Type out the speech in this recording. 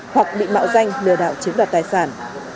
hoặc bị mạo danh lừa đảo chiếm đoạt tài sản